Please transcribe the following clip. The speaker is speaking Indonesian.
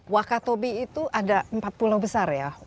wakatobi itu ada empat pulau besar ya